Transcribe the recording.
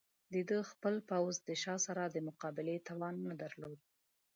د ده خپل پوځ د شاه سره د مقابلې توان نه درلود.